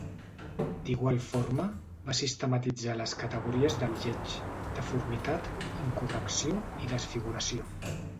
D'igual forma, va sistematitzar les categories del lleig: deformitat, incorrecció i desfiguració.